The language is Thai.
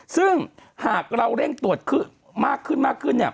ซึ่งหากเราเร่งตรวจมากขึ้นนี่